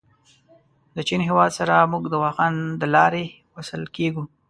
د چین هېواد سره موږ د واخان دلاري وصل کېږو.